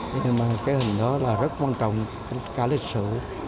nhưng mà cái hình đó là rất quan trọng rất là lịch sử